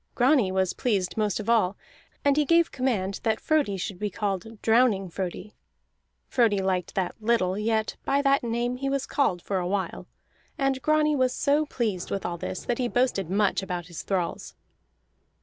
Grani was pleased most of all, and he gave command that Frodi should be called Drowning Frodi. Frodi liked that little, yet by that name he was called for a while. And Grani was so pleased with all this that he boasted much about his thralls.